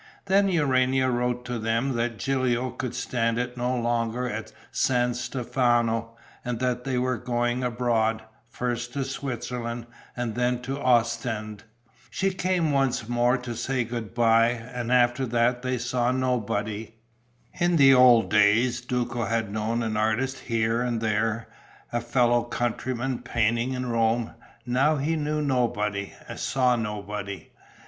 Then Urania wrote to them that Gilio could stand it no longer at San Stefano and that they were going abroad, first to Switzerland and then to Ostend. She came once more to say good bye; and after that they saw nobody. In the old days Duco had known an artist here and there, a fellow countryman painting in Rome; now he knew nobody, saw nobody.